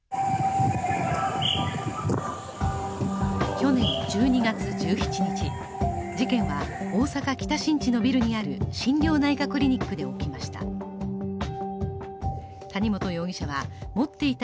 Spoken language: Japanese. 去年１２月１７日、事件は大阪・北新地のビルにある心療内科クリニックで起きました。